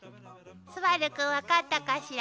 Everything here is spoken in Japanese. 昴くん分かったかしら。